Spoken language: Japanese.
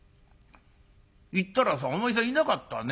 行ったらさお前さんいなかったね。